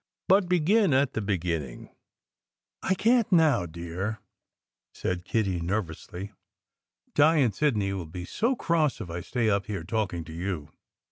But begin at the beginning!" "I can t now, dear," said Kitty nervously. "Di and Sidney will be so cross if I stay up here talking to you.